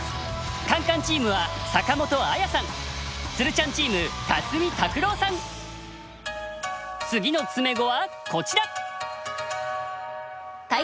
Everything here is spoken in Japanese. カンカンチームはつるちゃんチーム次の詰碁はこちら。